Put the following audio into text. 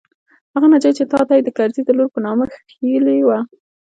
هغه نجلۍ چې تا ته يې د کرزي د لور په نامه ښييلې وه.